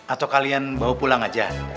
atau kalian bawa pulang aja